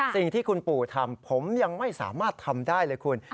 สิ่งที่คุณปู่ทำผมยังไม่สามารถทำได้เลยคุณ